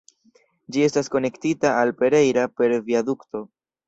Ĝi estas konektita al "Pereira" per viadukto.